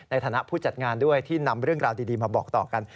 ในฐานะผู้จัดงานด้วยที่นำเรื่องราวดีมาบอกต่อกัน